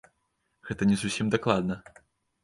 Гэта не зусім дакладна.